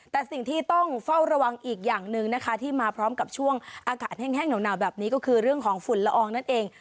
แต่สิ่งที่ต้องเฝ้าระวังอีกอย่างหนึ่งนะคะที่มาพร้อมกับช่วงอากาศแห้งหนาวแบบนี้ก็คือเรื่องของฝุ่นละอองนั่นเอง